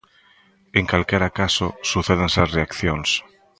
En calquera caso sucédense as reaccións.